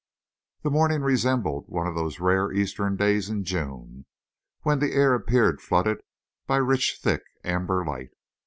The morning resembled one of the rare Eastern days in June, when the air appeared flooded by rich thick amber light.